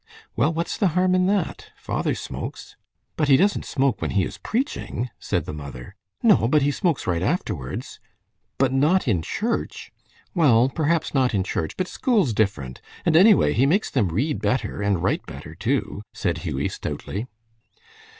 "Well, what's the harm in that? Father smokes." "But he doesn't smoke when he is preaching," said the mother. "No, but he smokes right afterwards." "But not in church." "Well, perhaps not in church, but school's different. And anyway, he makes them read better, and write better too," said Hughie, stoutly.